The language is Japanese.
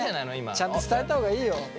ちゃんと伝えた方がいいよ！